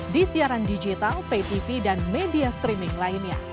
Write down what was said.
di siaran digital pay tv dan media streaming lainnya